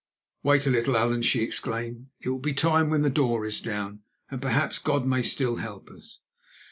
"Wait a little, Allan," she exclaimed; "it will be time when the door is down, and perhaps God may still help us."